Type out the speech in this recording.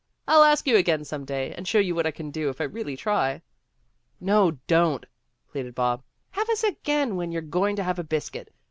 "I'll ask you again some day and show you what I can do if I really try." "No, don't," pleaded Bob. "Have us again when you're going to have biscuit.